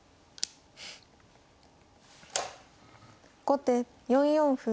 後手４四歩。